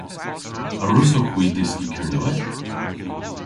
A wrussowgh hwi dyski Kernewek?